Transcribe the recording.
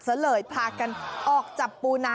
เสริฟากันออกจากปูนา